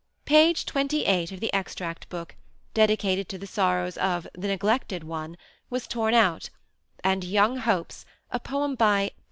Page 28 of the Extract Book, dedicated to the sorrows of ^ The Neglected One," was torn out ; and ^ Young Hopes," a poem by "T.